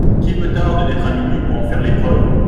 Qu’il me tarde d’être à minuit pour en faire l’épreuve !